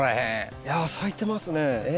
いや咲いてますね。